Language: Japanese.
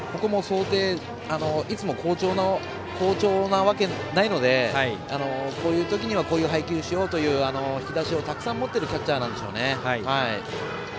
いつも好調なわけないのでこういう時にはこういう配球しようという引き出しをたくさん持ってるキャッチャーなんでしょうね。